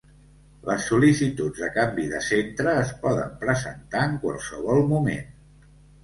Les sol·licituds de canvi de centre es poden presentar en qualsevol moment.